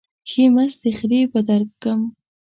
ښې مستې خرې به درکم.